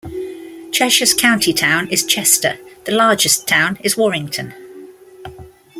Cheshire's county town is Chester; the largest town is Warrington.